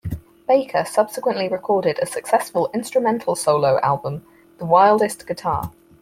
Baker subsequently recorded a successful instrumental solo album, "The Wildest Guitar".